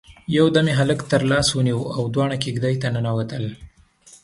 يودم يې هلک تر لاس ونيو او دواړه کېږدۍ ته ننوتل.